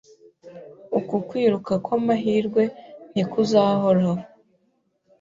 Uku kwiruka kwamahirwe ntikuzahoraho.